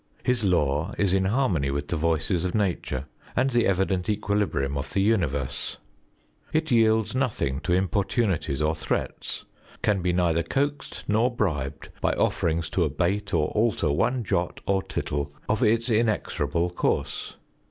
His law is in harmony with the voices of Nature, and the evident equilibrium of the universe. It yields nothing to importunities or threats, can be neither coaxed nor bribed by offerings to abate or alter one jot or tittle of its inexorable course.